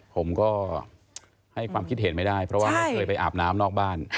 ผมก็ให้ความคิดเห็นไม่ได้เพราะว่าไม่เคยไปอาบน้ำนอกบ้าน